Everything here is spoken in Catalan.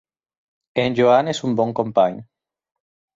En Joan és un bon company.